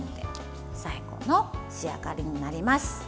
最後の仕上がりになります。